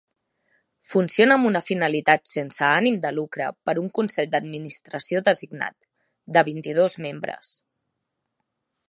Funciona amb una finalitat sense ànim de lucre per un consell d'administració designat, de vint-i-dos membres.